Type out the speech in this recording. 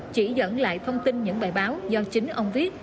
chỉ dẫn lại thông tin những bài báo do chính ông viết